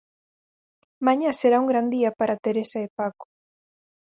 Mañá será un gran día para Teresa e Paco.